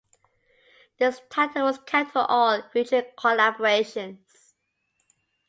This title was kept for all future collaborations.